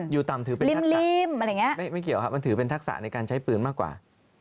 อยู่ต่ำถือเป็นทักอะไรอย่างนี้ไม่เกี่ยวครับมันถือเป็นทักษะในการใช้ปืนมากกว่า